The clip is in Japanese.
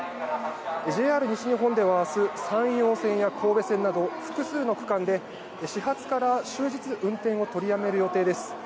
ＪＲ西日本では明日山陽線や神戸線など複数の区間で始発から終日運転を取りやめる予定です。